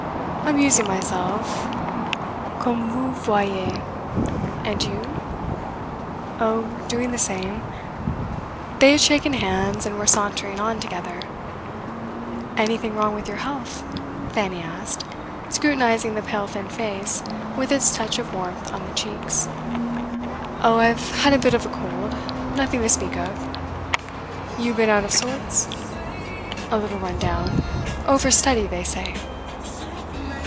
'Amusing myself comme vous voyez; and you?' 'Oh, doing the same.' They had shaken hands, and were sauntering on together. 'Anything wrong with your health?' Fanny asked, scrutinising the pale thin face, with its touch of warmth on the cheeks. 'Oh, I've had a bit of a cold; nothing to speak of. You been out of sorts?' 'A little run down. Over study, they say.